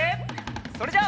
それじゃあ。